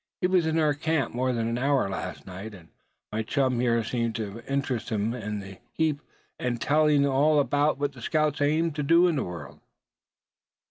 He was in our camp more than an hour last night, and my chum here seemed to interest him a heap in telling all about what scouts aim to do in the world."